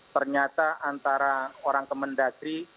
ternyata antara orang kemendagri